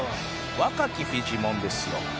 「若きフィジモンですよ